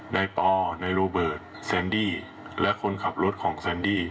นายปอนายโรเบิร์ตแซนดี้และคนขับรถของแซนดี้